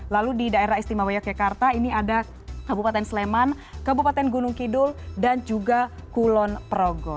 lalu di daerah istimewa yogyakarta ini ada kabupaten sleman kabupaten gunung kidul dan juga kulon progo